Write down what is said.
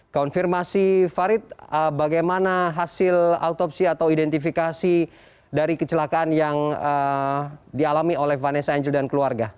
konfirmasi farid bagaimana hasil autopsi atau identifikasi dari kecelakaan yang dialami oleh vanessa angel dan keluarga